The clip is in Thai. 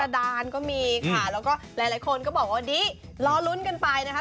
ทับประดานก็มีค่ะและก็หลายคนก็บอกว่าดิรอรุ้นกันไปนะฮะ